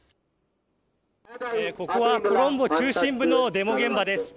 ここはコロンボ中心部のデモ現場です。